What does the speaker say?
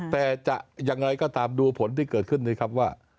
แต่จะยังไงก็ตามดูผลที่เกิดขึ้นนี้ครับว่า